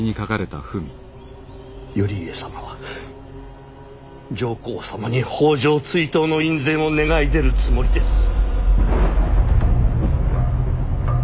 頼家様は上皇様に北条追討の院宣を願い出るつもりです。